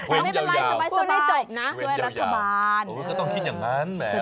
เว้นยาวเว้นยาวเว้นยาวก็ต้องคิดอย่างนั้นแหม